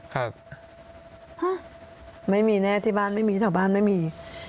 ครับฮะไม่มีแน่ที่บ้านไม่มีแถวบ้านไม่มี